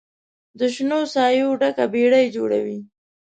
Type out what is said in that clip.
د شنو سایو ډکه بیړۍ جوړوي